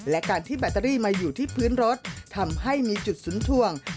และการที่แบตเตอรี่มาอยู่ที่พื้นรถทำให้มีจุดสุนทวง